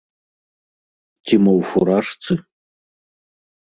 Ці мо ў фуражцы?